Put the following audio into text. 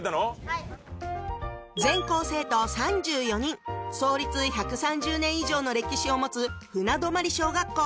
はい全校生徒３４人創立１３０年以上の歴史を持つ「船泊小学校」